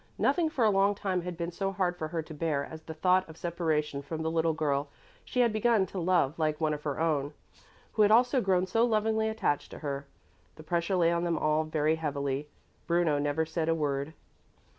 Nothing for a long time had been so hard for her to bear as the thought of separation from the little girl she had begun to love like one of her own, who had also grown so lovingly attached to her. The pressure lay on them all very heavily. Bruno never said a word.